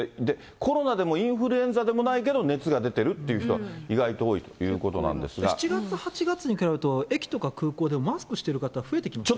コロナでもインフルエンザでもないけど熱が出てるっていう人が意７月、８月に比べると、駅とか空港でマスクしてる方、増えてきましたね。